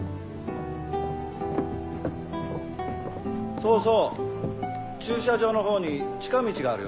そうそう駐車場のほうに近道があるよ。